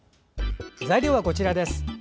材料はこちらです。